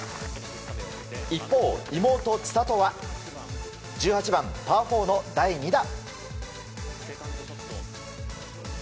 一方、妹・千怜は１８番、パー４の第２打。